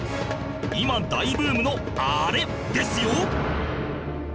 今大ブームのあれですよ